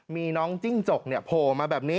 มีน้องจิ้งจกโผล่มาแบบนี้